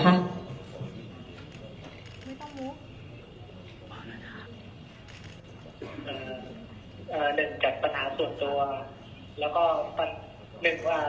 เอ่อหนึ่งจัดปัญหาส่วนตัวแล้วก็หนึ่งอ่า